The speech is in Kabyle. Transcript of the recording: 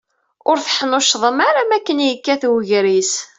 Ur teḥnuccḍem ara makken yekkat ugris.